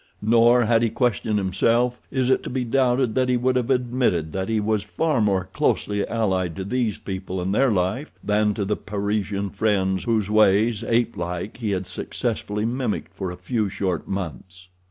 Nor, had he questioned himself, is it to be doubted that he would have admitted that he was far more closely allied to these people and their life than to the Parisian friends whose ways, apelike, he had successfully mimicked for a few short months.